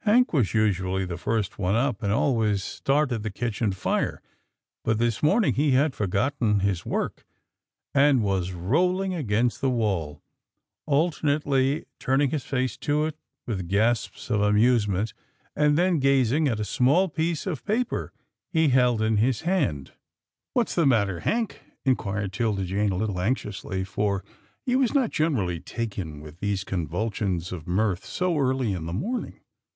Hank was usually the first one up, and always started the kitchen fire, but this morning he had forgotten his work, and was rolling against the wall, 163 164 'TILDA JANE'S ORPHANS alternately turning his face to it with gasps of amusement, and then gazing at a small piece of paper he^held in his hand. "Whafs the matter, Hank?" inquired 'Tilda Jane a little anxiously, for he was not generally taken with these convulsions of mirth so early in the morning.